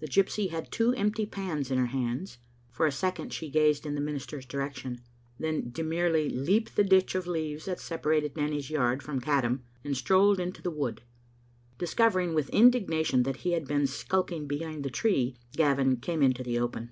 The gypsy had two empty pans in her hands. For a second she gazed in the minister's direction, then demurely leaped the ditch of leaves that separated Nanny's yard from Caddam, and strolled into the wood. Discovering with indignation that he had been skulk ing behind the tree, Gavin came into the open.